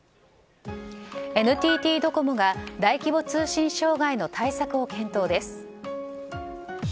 ＮＴＴドコモが大規模通信障害の対策を検討です。